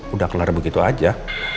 udah kelar begitu aja